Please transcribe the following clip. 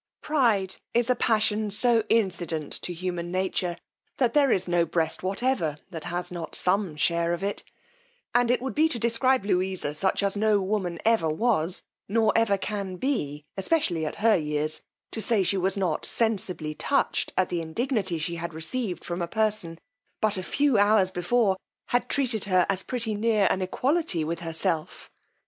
Pride is a passion so incident to human nature, that there is no breast whatever that has not some share of it; and it would be to describe Louisa such as no woman ever was, or ever can be, especially at her years, to say she was not sensibly touched at the indignity she had received from a person, but a few hours before, had treated her as pretty near an equality with herself.